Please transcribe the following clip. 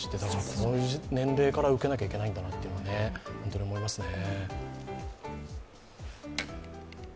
この年齢から受けなきゃいけないんだなっていうのは本当に思いますね。